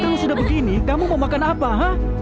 kalau sudah begini kamu mau makan apa